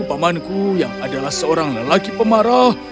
pamanku yang adalah seorang lelaki pemarah